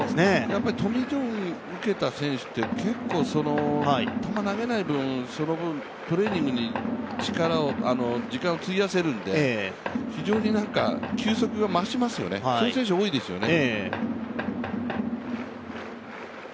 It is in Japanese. やっぱりトミー・ジョンを受けた選手っていうのは球を投げない分、トレーニングに時間を費やせるので非常に球速が増しますよね、そういう選手多いですよね。